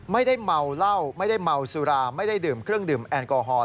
ไม่ได้เมาเหล้าไม่ได้เมาสุราไม่ได้ดื่มเครื่องดื่มแอลกอฮอล์